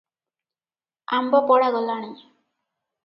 ଆମ୍ବପଡା ଗଲାଣି ।